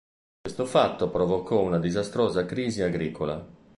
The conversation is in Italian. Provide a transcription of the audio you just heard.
Questo fatto provocò una disastrosa crisi agricola.